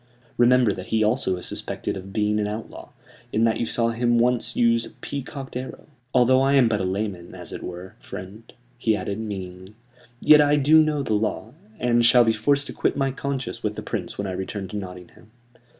Remember that he also is suspected of being an outlaw, in that you saw him once use a peacocked arrow. Although I am but a layman, as it were, friend," he added, meaningly, "yet I do know the law, and shall be forced to quit my conscience with the Prince when I return to Nottingham.